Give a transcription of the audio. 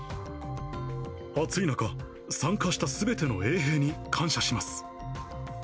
暑い中、参加したすべての衛兵に感謝します。